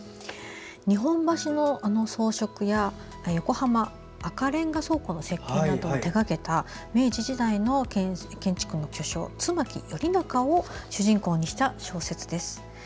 日本橋の装飾や横浜赤レンガ倉庫の設計などを手がけた明治時代の建築の巨匠妻木頼黄を主人公にした小説です。